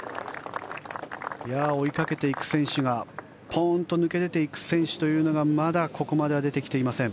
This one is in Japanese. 追いかけていく選手がポーンと抜け出ていく選手というのがまだここまでは出てきていません。